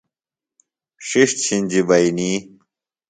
ݜِݜ چِھنجیۡ بئنی۔